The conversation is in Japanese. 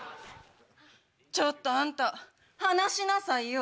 ちょっとあんた離しなさいよ。